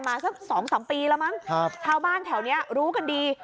สัก๒๓ปีแล้วมั้งชาวบ้านแถวนี้รู้กันดี